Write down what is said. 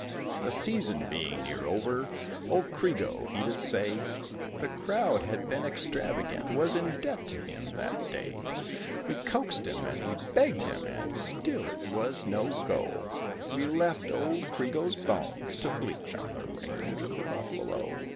The season being near over, old Crego he did say The crowd had been extravagant, was in debt to him that day, We coaxed him and we begged him and still it was no go, We left old Crego's bones to bleach on the range of the buffalo.